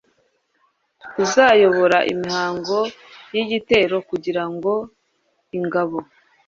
uzayobora imihango y'igitero kugira ngo ingabo